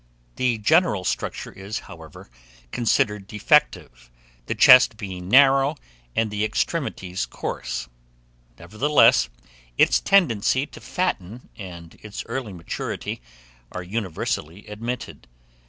The general structure is, however, considered defective, the chest being narrow and the extremities coarse; nevertheless its tendency to fatten, and its early maturity, are universally admitted.